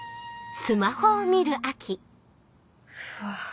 うわ。